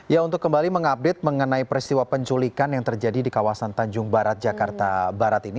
ya untuk kembali mengupdate mengenai peristiwa penculikan yang terjadi di kawasan tanjung barat jakarta barat ini